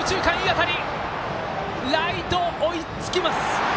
ライト、追いつきます。